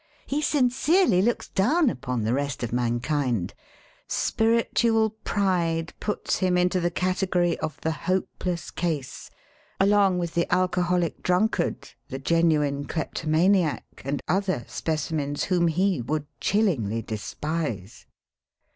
He sincerely looks down upon the rest of mankind. Spiritual pride puts him into the category of the hopeless case — along with the alcoholic drunkard, the genuine klepto maniac, and other specimens whom he would chil lingly despise.